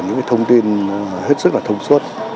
những thông tin hết sức là thông suất